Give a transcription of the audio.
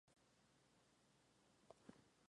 Nueva Guinea fue elevada a Municipio según decreto No.